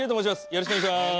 よろしくお願いします。